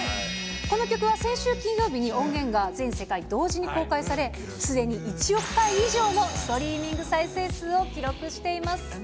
この曲は先週金曜日に音源が全世界同時に公開され、すでに１億回以上のストリーミング再生数を記録しています。